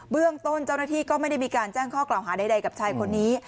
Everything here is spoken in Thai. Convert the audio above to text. เรื่องต้นเจ้าหน้าที่ก็ไม่ได้มีการแจ้งข้อกล่าวหาใดกับชายคนนี้